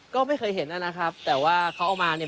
ก็ไม่เคยเห็นนะครับแต่ว่าเขาเอามาเนี่ย